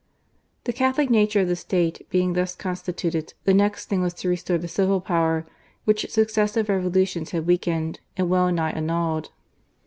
The Catholic nature of the State being thus constituted, the next thing was to restore the civil power, which successive Revolutions had weakened and well nigh annulled.